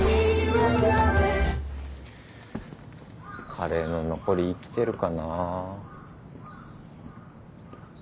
カレーの残り生きてるかなぁ。